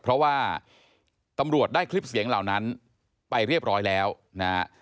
เพราะว่าตำรวจได้คลิปเสียงเหล่านั้นไปเรียบร้อยแล้วนะฮะ